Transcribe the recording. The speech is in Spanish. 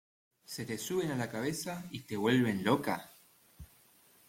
se te suben a la cabeza y te vuelven loca?